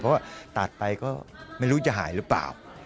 เพราะว่าตัดไปก็ไม่รู้จะหายหรือเปล่า